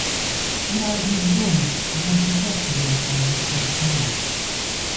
І нават не з дома, а з архітэктара, які яго спраектаваў.